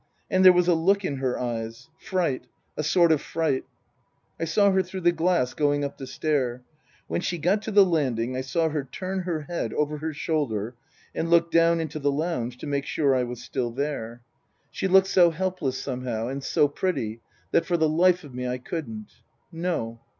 And there was a look in her eyes Fright, a sort of fright. " I saw her through the glass going up the stair. When she got to the landing I saw her turn her head over her shoulder and look down into the lounge, to make sure I was still there. Book I : My Book 115 "She looked so helpless somehow and so pretty that for the life of me I couldn't. "No.